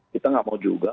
kita nggak mau juga